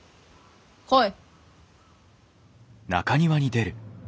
来い。